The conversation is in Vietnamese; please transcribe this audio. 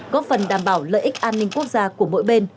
góp phần đảm bảo lợi ích an ninh quốc gia của mỗi bên